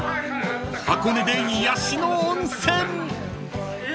［箱根で癒やしの温泉］